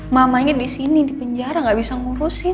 mamanya di sini di penjara gak bisa ngurusin